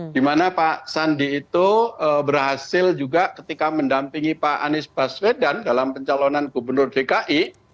dimana pak sandi itu berhasil juga ketika mendampingi pak anies baswedan dalam pencalonan gubernur dki